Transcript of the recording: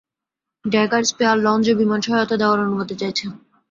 Dagger spare launch ও বিমান সহয়তা দেয়ার অনুমতি চাইছে।